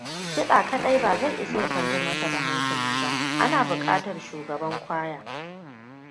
Kiɗa kaɗai ba zai isa ya kwantar masa hankali ba. Ana buƙatar shugaban choir!